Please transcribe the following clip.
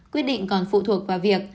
quyết định còn phụ thuộc vào việc